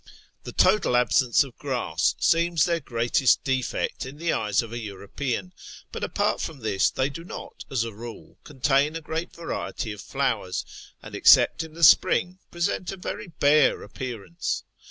The total absence of grass seems their greatest defect in the eyes of a European, but apart from this they do not, as a rule, contain a great variety of flowers, and, except in the spring, present a very bare appearance.